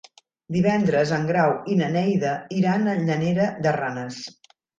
Divendres en Grau i na Neida iran a Llanera de Ranes.